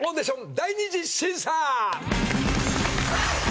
第二次審査！